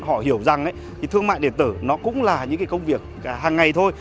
họ hiểu rằng thương mại điện tử cũng là những công việc hàng ngày thôi